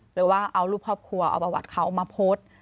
หรือว่าเอารูปครอบครัวเอาประวัติเขามาโพสต์